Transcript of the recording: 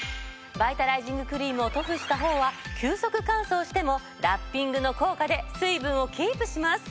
バイタライジングクリームを塗布したほうは急速乾燥してもラッピングの効果で水分をキープします。